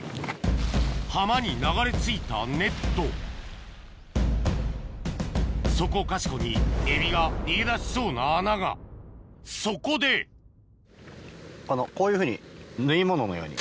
浜に流れ着いたネットそこかしこにエビが逃げ出しそうな穴がそこでこういうふうに縫い物のように。